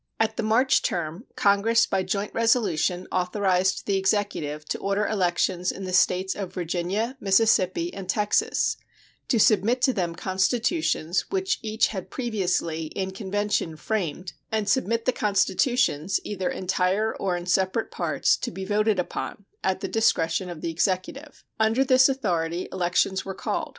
At the March term Congress by joint resolution authorized the Executive to order elections in the States of Virginia, Mississippi, and Texas, to submit to them the constitutions which each had previously, in convention, framed, and submit the constitutions, either entire or in separate parts, to be voted upon, at the discretion of the Executive. Under this authority elections were called.